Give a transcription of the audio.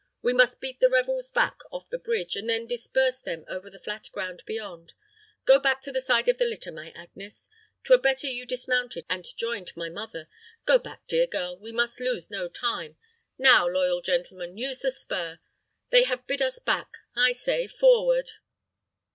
We must beat the rebels back off the bridge, and then disperse them over the flat ground beyond. Go back to the side of the litter, my Agnes. 'Twere better you dismounted and joined my mother. Go back, dear girl; we must lose no time. Now, loyal gentlemen, use the spur. They have bid us back; I say, forward!"